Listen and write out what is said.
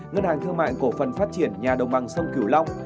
ngân hàng thương mại cổ phần phát triển nhà đồng bằng sông cửu long